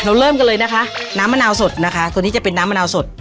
เริ่มกันเลยนะคะน้ำมะนาวสดนะคะตัวนี้จะเป็นน้ำมะนาวสด